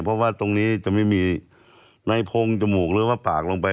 เพราะว่าตรงนี้จะไม่มีในโพงจมูกหรือว่าปากลงไป